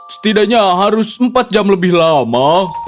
setidaknya harus empat jam lebih lama